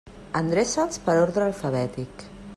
Endreça'ls per ordre alfabètic.